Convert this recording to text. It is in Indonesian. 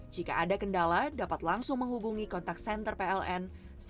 jika ada kendala dapat langsung menghubungi kontak senter pln satu ratus dua puluh tiga